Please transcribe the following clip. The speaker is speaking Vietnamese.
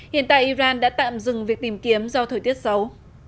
hiện tại iran đã tạm dừng việc tìm kiếm do thời tiết xấu